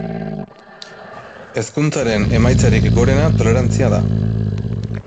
Hezkuntzaren emaitzarik gorena tolerantzia da.